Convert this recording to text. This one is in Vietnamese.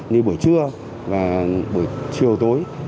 như buổi trưa và buổi chiều tối